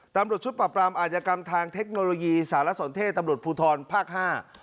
ตำรวจชุดปรับปรามอาจกรรมทางเทคโนโลยีสารสนเทศตำรวจภูทรภาคห้า